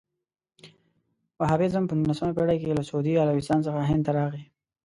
وهابیزم په نولسمه پېړۍ کې له سعودي عربستان څخه هند ته راغی.